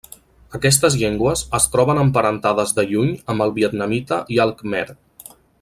Aquestes llengües est troben emparentades de lluny amb el vietnamita i el khmer.